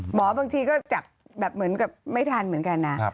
บางทีก็จับแบบเหมือนกับไม่ทันเหมือนกันนะ